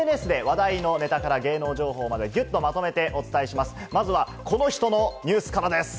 こちらのコーナーではＳＮＳで話題のネタから芸能情報まで、ぎゅっとまとめてお伝えします。